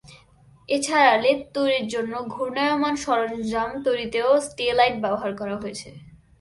এছাড়া, লেদ তৈরির জন্য ঘূর্ণায়মান সরঞ্জাম তৈরিতেও স্টেলাইট ব্যবহার করা হয়েছে।